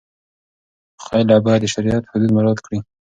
خلع باید د شریعت حدود مراعت کړي.